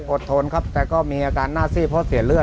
ทนครับแต่ก็มีอาการหน้าซีดเพราะเสียเลือ